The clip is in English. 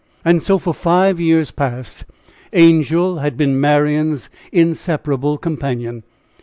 And so for five years past Angel had been Marian's inseparable companion.